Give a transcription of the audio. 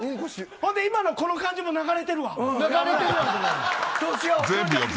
ほんで今のこの感じも流れてるわ。